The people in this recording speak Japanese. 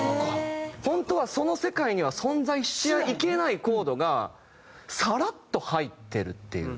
本当はその世界には存在しちゃいけないコードがサラッと入ってるっていう。